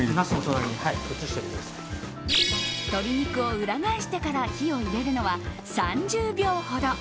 鶏肉を裏返してから火を入れるのは３０秒ほど。